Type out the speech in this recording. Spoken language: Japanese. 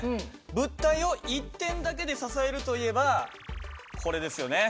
物体を１点だけで支えるといえばこれですよね。